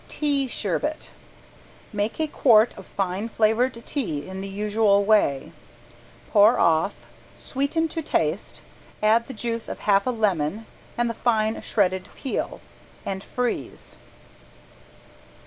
~TEA SHERBET~ Make a quart of fine flavored tea in the usual way, pour off, sweeten to taste, add the juice of half a lemon and the fine shredded peel, and freeze.